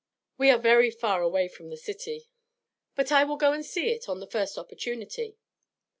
We are very far away from the City. But I will go and see it on the first opportunity.'